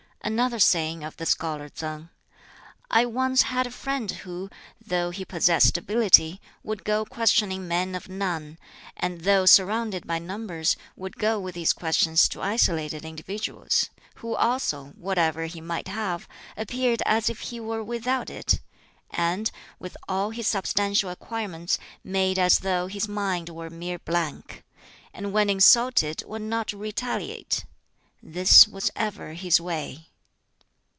Another saying of the Scholar Tsang: "I once had a friend who, though he possessed ability, would go questioning men of none, and, though surrounded by numbers, would go with his questions to isolated individuals; who also, whatever he might have, appeared as if he were without it, and, with all his substantial acquirements, made as though his mind were a mere blank; and when insulted would not retaliate; this was ever his way."